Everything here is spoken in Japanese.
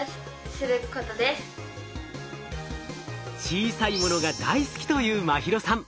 小さいものが大好きという茉尋さん。